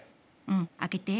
うん開けて。